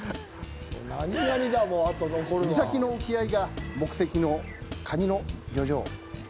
岬の沖合が目的のカニの漁場。